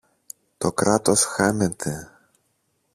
Το Κράτος χάνεται!